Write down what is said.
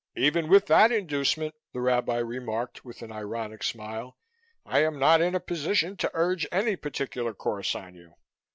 "Even with that inducement," the Rabbi remarked with an ironic smile, "I am not in a position to urge any particular course on you.